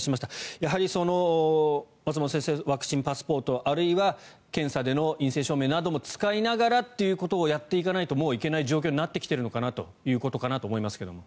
やはり松本先生ワクチンパスポートあるいは検査での陰性証明なども使いながらということをやっていかないともういけない状況になってきているのかなということだと思いますが。